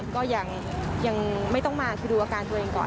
ก็ยังไม่ต้องมาคือดูอาการตัวเองก่อน